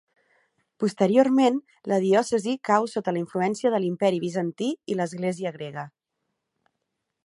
Posteriorment la diòcesi cau sota la influència de l'Imperi Bizantí i l'Església grega.